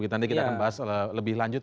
nanti kita akan bahas lebih lanjut